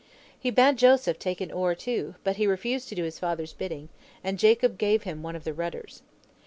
He bade Joseph take an oar, too, but he refused to do his father's bidding, and Jacob gave him one of the rudders.